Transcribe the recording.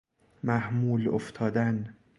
محمول افتادن